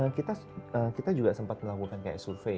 ya karena kita juga sempat melakukan survei